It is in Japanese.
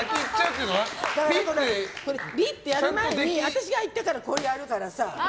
ピッてやる前に私が行ってからこれやるから。